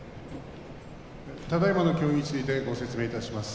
ただいまの協議についてご説明します。